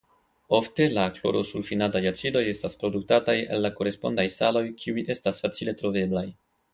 Ofte la klorosulfinataj acidoj estas produktataj el la korespondaj saloj kiuj estas facile troveblaj.